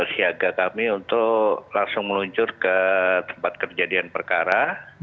siaga kami untuk langsung meluncur ke tempat kejadian perkara